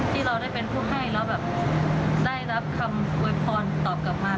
ที่เราได้เป็นผู้ให้แล้วแบบได้รับคำอวยพรตอบกลับมา